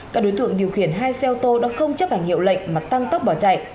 các đối tượng điều khiển hai xe ô tô đã không chấp hành hiệu lệnh mà tăng tốc bỏ chạy